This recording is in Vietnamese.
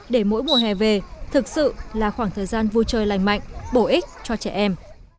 để mỗi mùa hè về thực sự là khoảng thời gian vui chơi lành mạnh bổ ích cho trẻ em